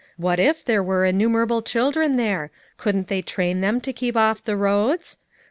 "What if there were innumerable children there? Couldn't they train them to keep off the roads?